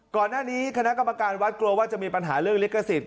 ก่อนหน้านี้คณะกรรมการวัดกลัวว่าจะมีปัญหาเรื่องลิขสิทธ